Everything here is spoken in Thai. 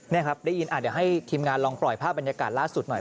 นี่ครับได้ยินเดี๋ยวให้ทีมงานลองปล่อยภาพบรรยากาศล่าสุดหน่อย